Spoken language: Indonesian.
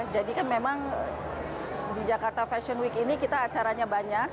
jadi kan memang di jakarta fashion week ini kita acaranya banyak